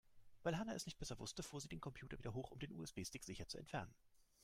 Weil Hanna es nicht besser wusste, fuhr sie den Computer wieder hoch, um den USB-Stick sicher zu entfernen.